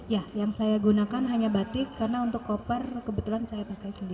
ya yang saya gunakan hanya batik karena untuk koper kebetulan saya pakai sendiri